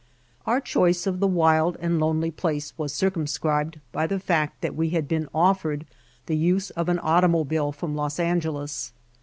Our choice of the wild and lonely place was circumscribed by the fact that we had been offered the use of an automobile from Los Angeles.